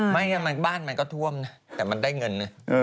ไม่บ้านมันก็ท่วมนะแต่มันได้เงินนะ